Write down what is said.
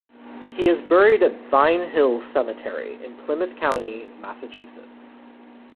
He is buried at Vine Hills Cemetery in Plymouth County, Massachusetts.